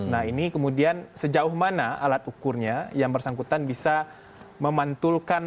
nah ini kemudian sejauh mana alat ukurnya yang bersangkutan bisa memantulkan